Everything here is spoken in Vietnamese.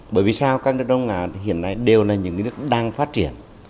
bởi vì sao các nước đông á hiện nay đều là những nước đang phát triển